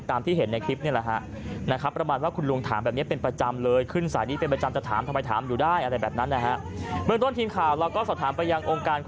ตามที่เห็นในคลิปนี่แหละ